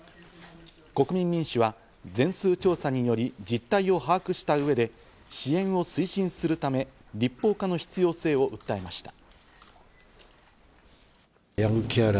国民民主は、全数調査により実態を把握した上で支援を推進するため、立法化の必要性を訴えました。